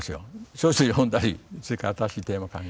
小説読んだりそれから新しいテーマ考えたり。